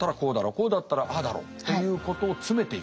「こうだったらああだろ」ということを詰めていく。